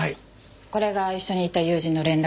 これが一緒に行った友人の連絡先。